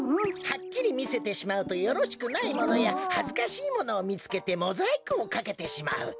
はっきりみせてしまうとよろしくないものやはずかしいものをみつけてモザイクをかけてしまう。